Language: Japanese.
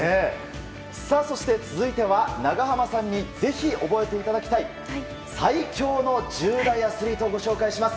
そして続いては長濱さんにぜひ、覚えていただきたい最強の１０代アスリートをご紹介します。